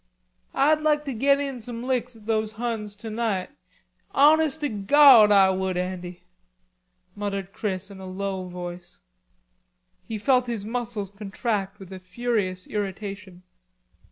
"Ah'd lak to get in some licks at those Huns tonight; honest to Gawd Ah would, Andy," muttered Chris in a low voice. He felt his muscles contract with a furious irritation.